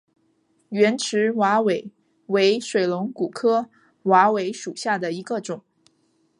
圆齿瓦韦为水龙骨科瓦韦属下的一个种。